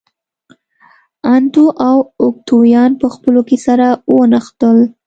انتو او اوکتاویان په خپلو کې سره ونښتل.